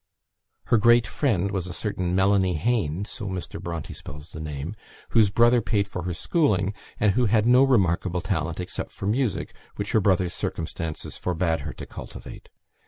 Her great friend was a certain "Mellany Hane" (so Mr. Bronte spells the name), whose brother paid for her schooling, and who had no remarkable talent except for music, which her brother's circumstances forbade her to cultivate.